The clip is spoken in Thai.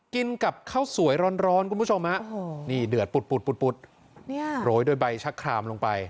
กินกับข้าวสวยร้อนคุณผู้ชมฮะนี่เดือดปุดโรยโดยใบชะครามลงไป